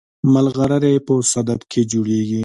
ملغلرې په صدف کې جوړیږي